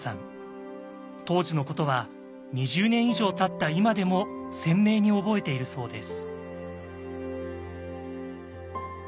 当時のことは２０年以上たった今でも鮮明に覚えているそうです。